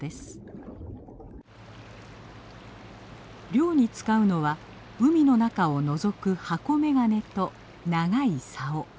漁に使うのは海の中をのぞく箱眼鏡と長いさお。